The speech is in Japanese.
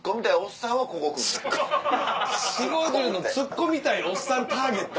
４０５０のつっこみたいおっさんターゲット？